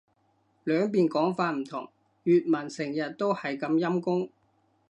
兩邊講法唔同。粵文成日都係咁陰功